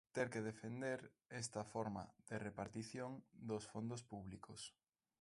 Ter que defender esta forma de repartición dos fondos públicos.